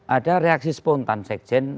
ada reaksi spontan sekjen